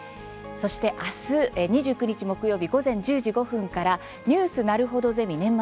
そして明日２９日、木曜日午前１０時５分から「ニュースなるほどゼミ年末